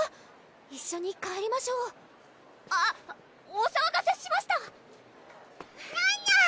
一緒に帰りましょうあっおさわがせしましたにゃーにゃー！